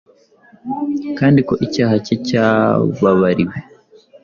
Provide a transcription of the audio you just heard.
kandi ko icyaha cye cyababariwe.